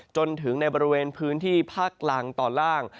จนถึงในบริเวณพื้นที่ภาคกลางตอนล่าง